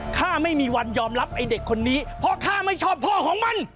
ข้าไม่มีวันยอมรับไอ้เด็กคนนี้เพราะข้าไม่ชอบพ่อของมัน